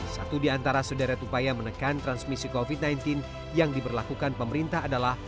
satu di antara sederet upaya menekan transmisi covid sembilan belas yang diberlakukan pemerintah adalah